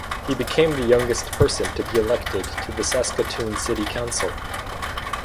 He became the youngest person to be elected to the Saskatoon City Council.